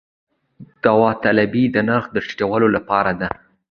داوطلبي د نرخ ټیټولو لپاره ده